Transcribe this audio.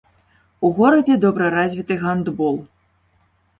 У горадзе добра развіты гандбол.